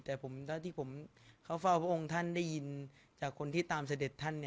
แต่ตั้งแต่เดี๋ยวเจ้าพาพวงท่านได้ยินจากคนที่ตามเสด็จท่าน